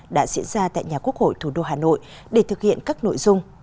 đã diễn ra tại nhà quốc hội thủ đô hà nội để thực hiện các nội dung